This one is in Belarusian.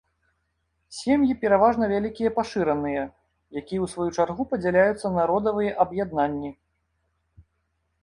Сем'і пераважна вялікія пашыраныя, якія ў сваю чаргу падзяляюцца на родавыя аб'яднанні.